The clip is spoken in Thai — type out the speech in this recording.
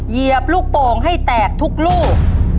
เหยียบลูกโป่งให้แตกทุกลูก